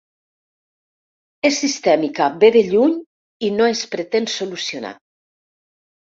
És sistèmica, ve de lluny i no es pretén solucionar.